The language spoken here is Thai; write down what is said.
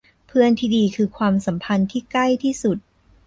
เพื่อนที่ดีคือความสัมพันธ์ที่ใกล้ที่สุด